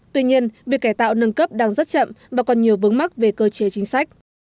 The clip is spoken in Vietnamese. tuy nhiên việc cải tạo nâng cấp đang rất chậm và còn nhiều vướng mắc về cơ chế chính sách